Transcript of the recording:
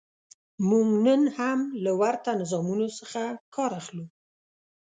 موږ نن هم له ورته نظامونو څخه کار اخلو.